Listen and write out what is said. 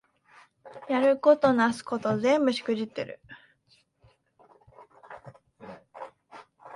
やることなすこと全部しくじってる